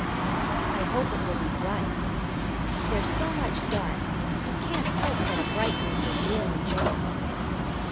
I hope it will be bright. There's so much dark you can't help that a brightness is real enjoyable.